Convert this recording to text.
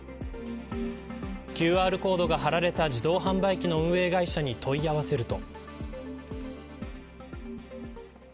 ＱＲコードが貼られた自動販売機の運営会社に問い合わせると。